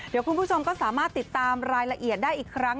เดี๋ยวคุณผู้ชมก็สามารถติดตามรายละเอียดได้อีกครั้ง